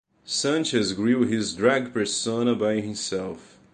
Sanchez grew his drag persona by himself.